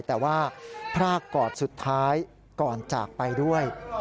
แต่ว่าพรากกอดสุดท้ายก่อนจากไปด้วย